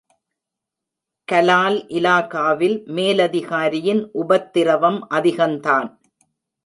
கலால் இலாகாவில் மேலதிகாரியின் உபத்திரவம் அதிகந்தான்.